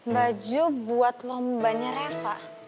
baju buat lombanya reva